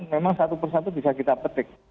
memang satu persatu bisa kita petik